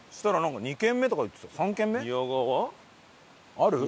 ある？